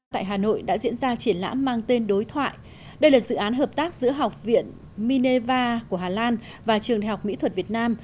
tại hà nội đã diễn ra triển lãm mang tên đối thoại đây là dự án hợp tác giữa học viện mineva của hà lan và trường đại học mỹ thuật việt nam